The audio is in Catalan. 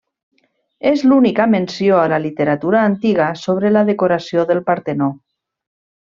És l'única menció a la literatura antiga sobre la decoració del Partenó.